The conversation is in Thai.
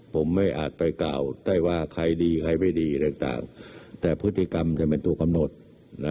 ผมไม่อาจไปกล่าวได้ว่าใครดีใครไม่ดีอะไรต่างแต่พฤติกรรมจะเป็นตัวกำหนดนะ